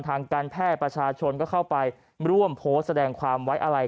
ทางการแพทย์ประชาชนก็เข้าไปร่วมโพสต์แสดงความไว้อะไร